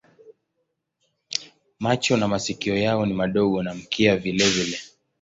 Macho na masikio yao ni madogo na mkia vilevile.